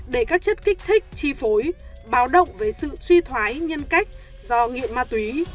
để các chất kích thích chi phối báo động về sự suy thoái nhân cách do nghiện ma túy